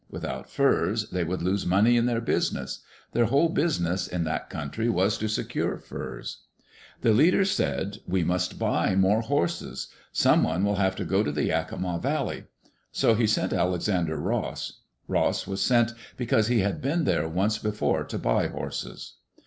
Without furs, they would lose money in their business. Their whole business in that country was to secure furs. (The leader said, " We must buy more horses. Someone will have to go to the Yakima Valley." So he sent Alex ander Ross. Ross was sent because he had been there once before to buy horses.